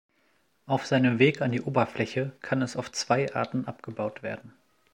Auf seinem Weg an die Oberfläche kann es auf zwei Arten abgebaut werden.